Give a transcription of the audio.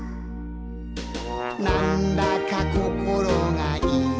「なんだかこころがいいかんじ」